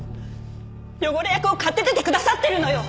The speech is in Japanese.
汚れ役を買って出てくださってるのよ！